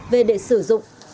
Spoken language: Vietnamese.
về để sử dụng